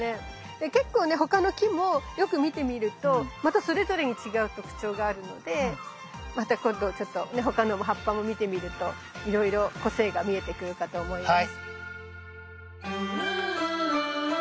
結構ね他の木もよく見てみるとまたそれぞれに違う特徴があるのでまた今度他の葉っぱも見てみるといろいろ個性が見えてくるかと思います。